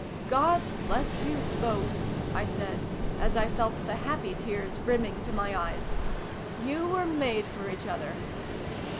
" God bless you both !" I said, as I felt the happy tears brimming to my eyes. "You were made for each other